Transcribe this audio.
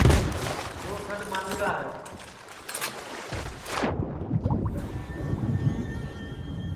ٻو سڈؔ مانی را ہے